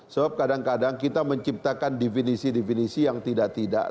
sebab kadang kadang kita menciptakan definisi definisi yang tidak tidak